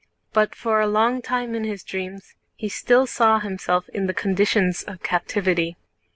But for a long time in his dreams he still saw himself in the conditions of captivity.